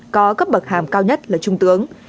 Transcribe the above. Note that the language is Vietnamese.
có cấp bậc hàm cao nhất là trung tướng